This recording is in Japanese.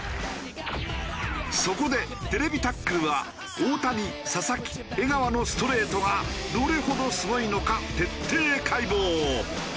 そこで『ＴＶタックル』は大谷佐々木江川のストレートがどれほどすごいのか徹底解剖。